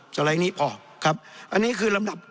สำเร็จนี้พอครับอันนี้คือลำดับ